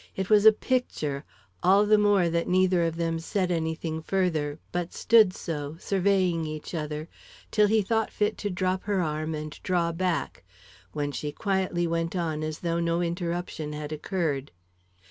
It was a picture; all the more that neither of them said any thing further, but stood so, surveying each other, till he thought fit to drop her arm and draw back, when she quietly went on as though no interruption had occurred.